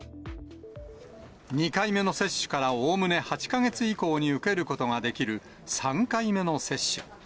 ２回目の接種からおおむね８か月以降に受けることができる、３回目の接種。